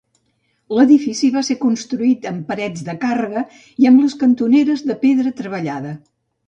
L'edifici va ser construït amb parets de càrrega i amb les cantoneres de pedra treballada.